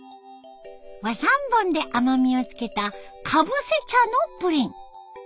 和三盆で甘みをつけたかぶせ茶のプリン。